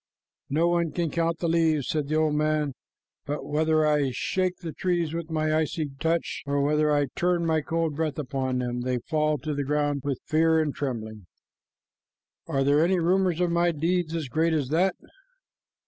"No one can count the leaves," said the old man, "but whether I shake the trees with my icy touch, or whether I turn my cold breath upon them, they fall to the ground with fear and trembling. Are there any rumors of my deeds as great as that?"